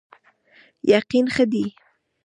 یقین ښه دی.